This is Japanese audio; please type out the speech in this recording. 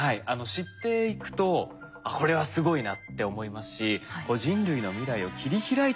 知っていくとあっこれはすごいなって思いますし人類の未来を切り開いてくれるかも。